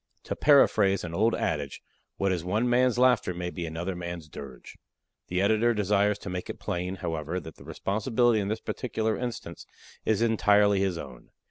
To paraphrase an old adage, what is one man's laughter may be another man's dirge. The Editor desires to make it plain, however, that the responsibility in this particular instance is entirely his own.